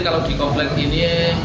kalau di konflik ini